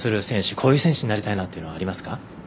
こういう選手になりたいなというのはありますか？